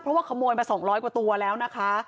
เพราะว่าขโมยมา๒๐๐กว่าตัวแล้วนะคะ